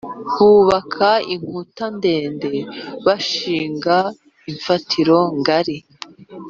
bubaka inkuta ndende, bashinga imfatiro ngari